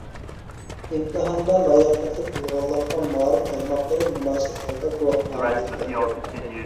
ئىمتىھاندا لاياقەتلىك بولغانلارغا مائارىپ تارماقلىرى مۇناسىپ ھالدا گۇۋاھنامە بېرىدۇ.